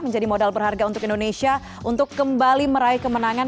menjadi modal berharga untuk indonesia untuk kembali meraih kemenangan